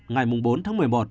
ngày bốn tháng một mươi một